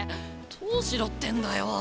どうしろってんだよ。